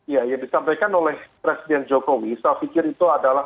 ya yang disampaikan oleh presiden jokowi saya pikir itu adalah